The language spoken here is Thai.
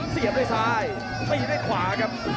สีอยากได้ซ้ายทีมให้ที่ด้วยขวาครับ